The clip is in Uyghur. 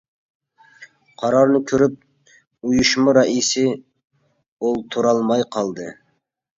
قارارنى كۆرۈپ ئۇيۇشما رەئىسى ئولتۇرالماي قالدى.